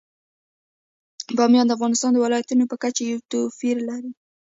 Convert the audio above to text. بامیان د افغانستان د ولایاتو په کچه یو توپیر لري.